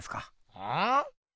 うん？